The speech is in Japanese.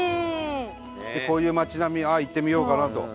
こういう町並みああ行ってみようかなと。